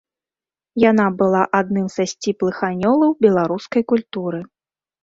Яна была адным са сціплых анёлаў беларускай культуры.